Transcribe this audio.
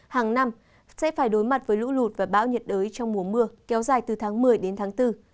hàng năm sẽ phải đối mặt với lũ lụt và bão nhiệt đới trong mùa mưa kéo dài từ tháng một mươi đến tháng bốn